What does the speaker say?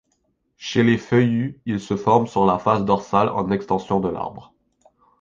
Chez les feuillus, il se forme sur la face dorsale en extension de l'arbre.